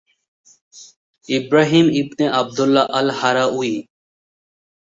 ইবরাহিম ইবনে আবদুল্লাহ আল-হারাউয়ি